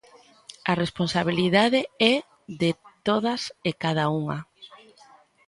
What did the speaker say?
A responsabilidade é de todas e cada unha.